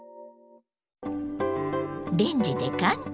レンジで簡単！